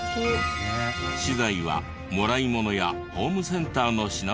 資材はもらいものやホームセンターの品物を使い。